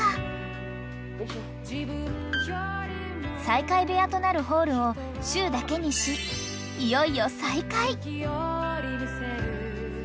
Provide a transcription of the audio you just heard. ［再会部屋となるホールをしゅうだけにしいよいよ再会］